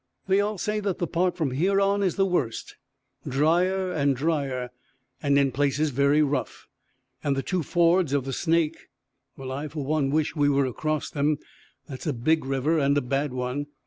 "They all say that the part from here on is the worst drier and drier, and in places very rough. And the two fords of the Snake well, I for one wish we were across them. That's a big river, and a bad one.